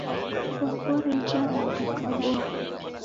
Shwawori uja mndu ukaboa